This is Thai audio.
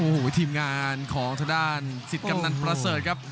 โอ้โหทีมงานของทางด้านสิทธิ์กำนันประเสริฐครับ